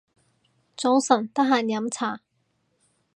早晨，得閒飲茶